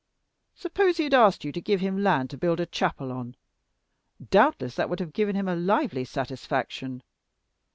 Suppose he had asked you to give him land to build a chapel on; doubtless that would have given him a 'lively satisfaction.'